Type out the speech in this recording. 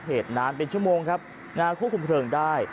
เหตุนานเป็นชั่วโมงครับนะฮะควบคุมเพลิงได้